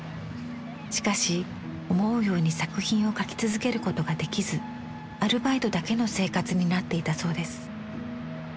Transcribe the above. しかし思うように作品を描き続けることができずアルバイトだけの生活になっていたそうです。